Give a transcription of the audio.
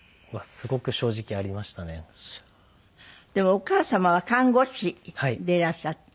お母様は看護師でいらっしゃって。